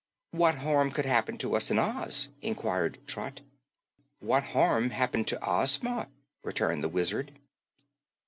"What harm could happen to us in Oz?" inquired Trot. "What harm happened to Ozma?" returned the Wizard.